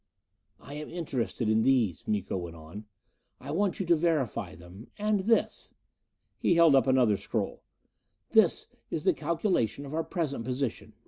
"I am interested in these," Miko went on. "I want you to verify them. And this." He held up another scroll. "This is the calculation of our present position.